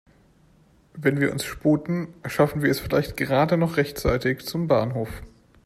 Wenn wir uns sputen, schaffen wir es vielleicht gerade noch rechtzeitig zum Bahnhof.